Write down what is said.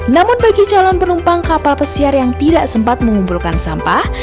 namun bagi calon penumpang kapal pesiar yang tidak sempat mengumpulkan sampah